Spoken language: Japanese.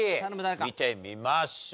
見てみましょう。